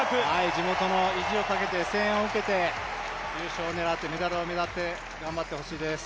地元の意地をかけて、声援を受けて優勝狙ってメダルを狙って頑張ってほしいです。